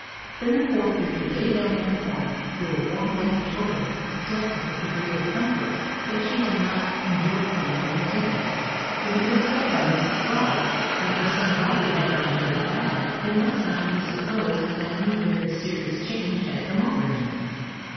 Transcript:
Then the poor creature lay down in her corner, drew a warm blanket over her, and slept with a degree of comfort that she had not enjoyed for many a day. When it was said by Mrs Frog that her son Bobby had gone to the bad, it must not be supposed that any very serious change had come over him.